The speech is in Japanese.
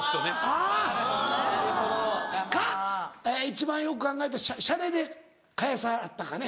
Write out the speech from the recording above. あぁ！か一番よく考えたらシャレで返さはったかね